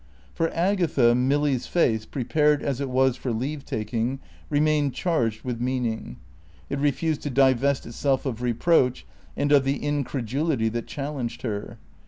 For Agatha Milly's face, prepared as it was for leave taking, remained charged with meaning; it refused to divest itself of reproach and of the incredulity that challenged her.